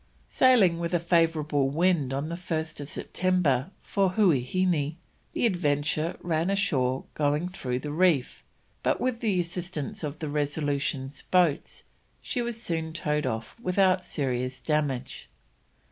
Sailing with a favourable wind on 1st September for Huaheine, the Adventure ran ashore going through the reef, but with the assistance of the Resolution's boats, she was soon towed off without serious damage.